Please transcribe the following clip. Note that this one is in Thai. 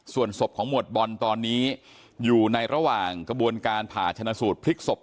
ส่วนศพของหมวดบอลตอนนี้อยู่ในระหว่างกระบวนการผ่าชนะสูตรพลิกศพ